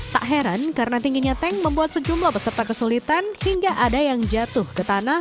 tak heran karena tingginya tank membuat sejumlah peserta kesulitan hingga ada yang jatuh ke tanah